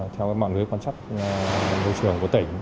theo mạng lưới quan trắc môi trường của tỉnh